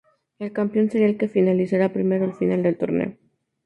El campeón sería el que finalizara primero al final del torneo.